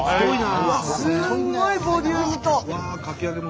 すんごいボリュームと。